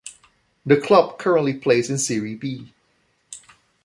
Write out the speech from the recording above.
The club currently plays in Serie B.